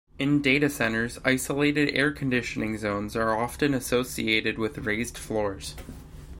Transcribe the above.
In data centers, isolated air-conditioning zones are often associated with raised floors.